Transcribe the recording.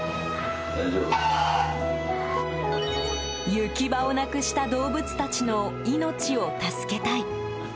行き場をなくした動物たちの命を助けたい。